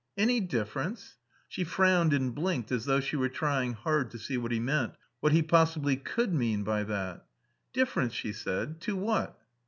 "Any difference?" She frowned and blinked, as though she were trying hard to see what he meant, what he possibly could mean by that. "Difference?" she said. "To what?"